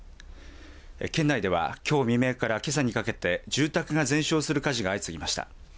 県内ではきょう未明からけさにかけて住宅が全焼する火事が相次ぎました。